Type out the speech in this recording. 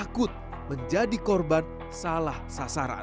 takut menjadi korban salah sasaran